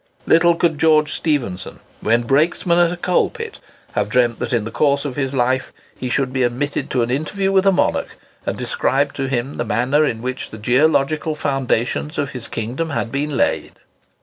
Little could George Stephenson, when brakesman at a coal pit, have dreamt that, in the course of his life, he should be admitted to an interview with a monarch, and describe to him the manner in which the geological foundations of his kingdom had been laid!